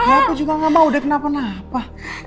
ya aku juga gak mau dia kenapa napa